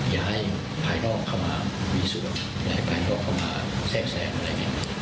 อย่าให้ภายนอกเข้ามามีส่วนในการขอเข้ามาแทรกแสงอะไรอย่างนี้